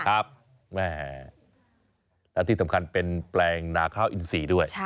แม่และที่สำคัญเป็นแปลงนาข้าวอินซีด้วย